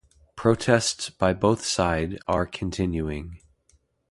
Protests by both side are continuing.